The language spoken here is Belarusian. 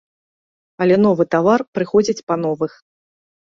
Але новы тавар прыходзіць па новых.